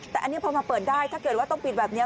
แต่อันนี้พอมาเปิดได้ถ้าเกิดว่าต้องปิดแบบนี้